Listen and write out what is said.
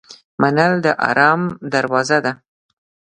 منل د آرام دروازه ده.